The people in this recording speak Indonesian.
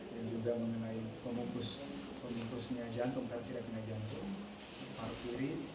yang juga mengenai pemukusnya jantung terkira kira jantung paru kiri